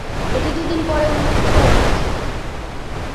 এটি দুইদিন পরে উন্মুক্ত করা হয়েছিল।